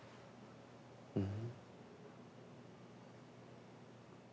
うん。